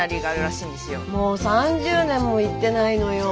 もう３０年も行ってないのよ。